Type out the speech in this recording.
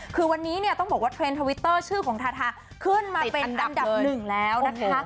คือวันนี้เนี่ยต้องบอกว่าเทรนด์ทวิตเตอร์ชื่อของทาทาขึ้นมาเป็นอันดับหนึ่งแล้วนะคะ